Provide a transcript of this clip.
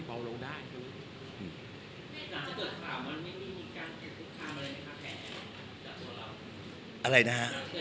อะไรมั้ยฮะ